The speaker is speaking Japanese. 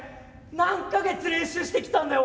何か月練習してきたんだよ